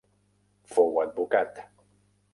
Fou advocat.